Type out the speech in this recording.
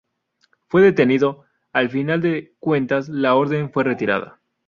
Fue detenido, al final de cuentas la orden fue retirada.